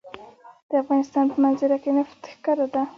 د افغانستان په منظره کې نفت ښکاره ده.